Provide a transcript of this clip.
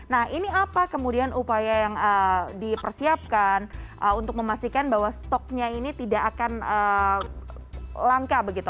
nah ini apa kemudian upaya yang dipersiapkan untuk memastikan bahwa stoknya ini tidak akan langka begitu